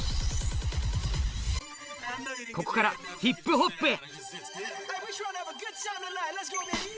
ここからヒップホップへ